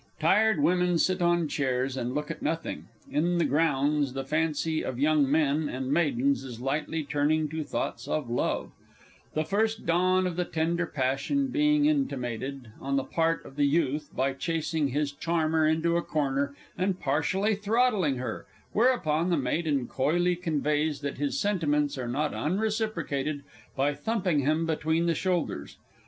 Tired women sit on chairs and look at nothing. In the Grounds, the fancy of young men and maidens is lightly turning to thoughts of love; the first dawn of the tender passion being intimated, on the part of the youth, by chasing his charmer into a corner and partially throttling her, whereupon the maiden coyly conveys that his sentiments are not unreciprocated by thumping him between the shoulders.